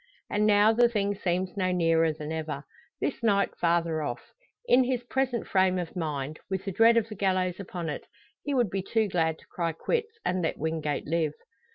And now the thing seems no nearer than ever this night farther off. In his present frame of mind with the dread of the gallows upon it he would be too glad to cry quits, and let Wingate live!